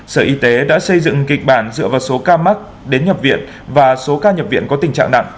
sở y tế đã xây dựng kịch bản dựa vào số ca mắc đến nhập viện và số ca nhập viện có tình trạng nặng